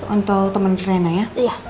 untuk temen rina ya